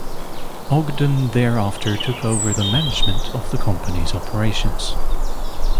Ogden thereafter took over the management of the company's operations.